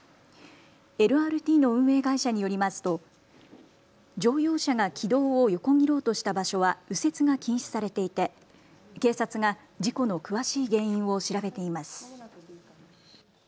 ＬＲＴの運営会社によりますと乗用車が軌道を横切ろうとした場所は右折が禁止されていて警察が事故の詳しい原因を調べています。